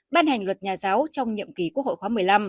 ban hành luật nhà giáo trong nhiệm kỳ quốc hội khóa một mươi năm